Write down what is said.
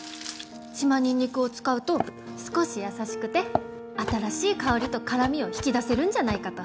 島ニンニクを使うと少し優しくて新しい香りと辛みを引き出せるんじゃないかと。